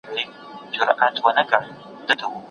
د کتاب غلا کول یو بد عمل دی.